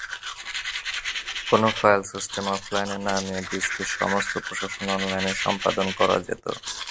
কোনো file system অফলাইনে না নিয়ে, ডিস্কের সমস্ত প্রশাসন অনলাইনে সম্পাদন করা যেত।